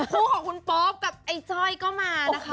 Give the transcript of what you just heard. คู่ของคุณโป๊ปกับไอ้จ้อยก็มานะคะ